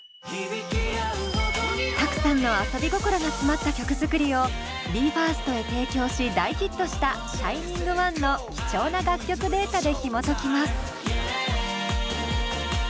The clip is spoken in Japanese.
Ｔａｋｕさんの遊び心が詰まった曲作りをＢＥ：ＦＩＲＳＴへ提供し大ヒットした「ＳｈｉｎｉｎｇＯｎｅ」の貴重な楽曲データでひもときます。